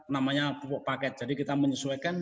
namanya pupuk paket jadi kita menyesuaikan